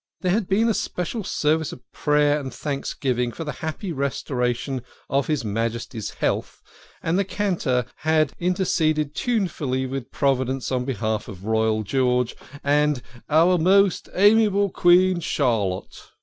There had been a special service of prayer and thanks giving for the happy restoration of his Majesty's health, and the cantor had interceded tunefully with Providence on behalf of Royal George and " our most amiable Queen, 1 2 THE KING OF SCHNORRERS. Charlotte."